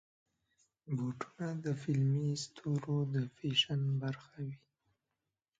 بوټونه د فلمي ستورو د فیشن برخه وي.